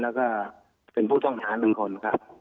แล้วก็เป็นผู้ต้องหาหนึ่งคนค่ะ